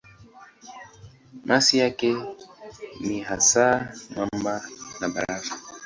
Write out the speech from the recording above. Masi yake ni hasa mwamba na barafu.